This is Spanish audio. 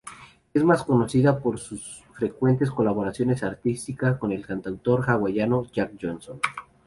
Es más conocida por sus frecuentes colaboraciones artísticas con el cantautor hawaiano Jack Johnson.